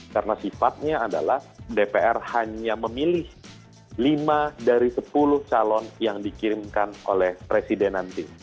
karena sifatnya adalah dpr hanya memilih lima dari sepuluh calon yang dikirimkan oleh presiden nanti